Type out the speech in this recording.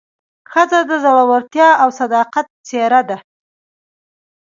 ښځه د زړورتیا او صداقت څېره ده.